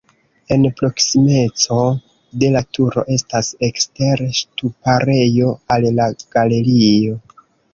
En proksimeco de la turo estas ekstere ŝtuparejo al la galerio.